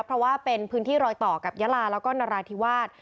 เพราะว่าเป็นพื้นที่รอยต่อกับยาลาแล้วก็นราธิวาส